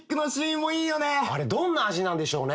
あれどんな味なんでしょうね？